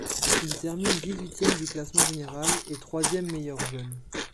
Il termine dix-huitième du classement général et troisième meilleur jeune.